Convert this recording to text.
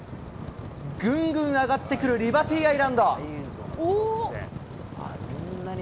ぐんぐん上がってくるリバティアイランド。